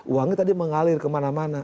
uangnya tadi mengalir kemana mana